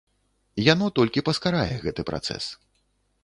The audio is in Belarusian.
Яно толькі паскарае гэты працэс.